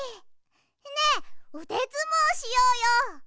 ねえうでずもうしようよ！